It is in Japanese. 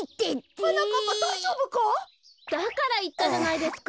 はなかっぱだいじょうぶか？だからいったじゃないですか。